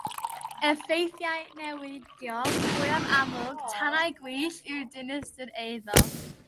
Effeithiau niweidiol mwyaf amlwg tannau gwyllt yw'r dinistr i eiddo